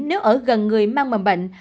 nếu ở gần người mang mầm bệnh